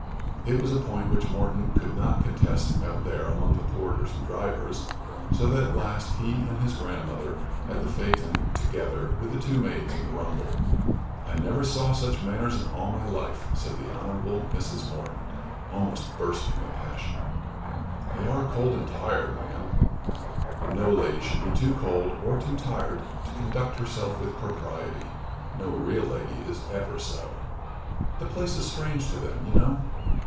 It was a point which Morton could not contest out there among the porters and drivers, so that at last he and his grandmother had the phaeton together with the two maids in the rumble. "I never saw such manners in all my life," said the Honourable Mrs. Morton, almost bursting with passion. "They are cold and tired, ma'am." "No lady should be too cold or too tired to conduct herself with propriety. No real lady is ever so." "The place is strange to them, you know."